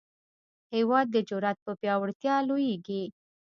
هېواد د جرئت په پیاوړتیا لویېږي.